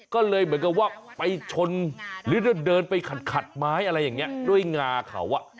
ก็เลยเหมือนกับว่าไปชนหรือจะเดินไปขัดไม้อะไรอย่างนี้ด้วยงาเขา